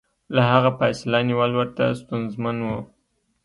له هغه فاصله نیول ورته ستونزمن و.